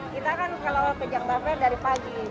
kita kan ke jakarta fair dari pagi